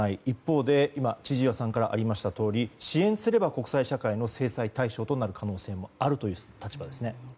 一方で今千々岩さんからありましたように支援すれば国際社会の制裁対象になる可能性があるという立場ですね。